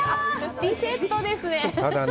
リセットですね。